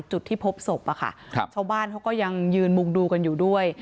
จุดที่พบศพชาวบ้านเขาก็ยังยืนมุงดูกันอยู่ด้วย